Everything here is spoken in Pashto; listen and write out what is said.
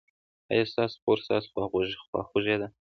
ایا ستاسو خور ستاسو خواخوږې ده؟